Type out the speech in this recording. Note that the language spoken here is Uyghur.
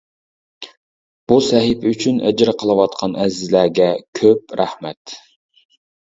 بۇ سەھىپە ئۈچۈن ئەجىر قىلىۋاتقان ئەزىزلەرگە كۆپ رەھمەت.